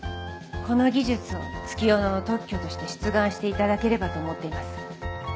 この技術を月夜野の特許として出願していただければと思っています。